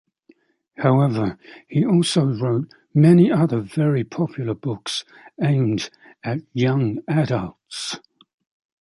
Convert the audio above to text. However, he also wrote many other very popular books aimed at young adults.